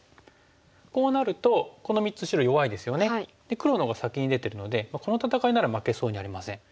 黒のほうが先に出てるのでこの戦いなら負けそうにありません。